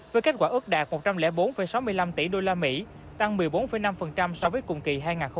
với kết quả ước đạt một trăm linh bốn sáu mươi năm tỷ usd tăng một mươi bốn năm so với cùng kỳ hai nghìn hai mươi ba